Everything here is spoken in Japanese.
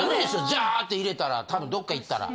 ジャーって入れたら多分どっか行ったら。